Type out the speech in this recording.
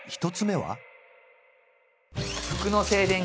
１つ目は？